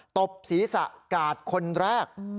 ตบศีรษะกาดคนแรก